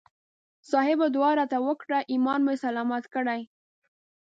صاحبه دعا راته وکړه ایمان مې سلامت کړي.